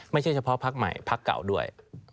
ไม่ใช่เฉพาะพักใหม่พักเก่าด้วย